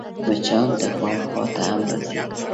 مچان د غوږ خوا ته هم راځي